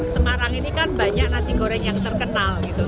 semarang ini kan banyak nasi goreng yang terkenal gitu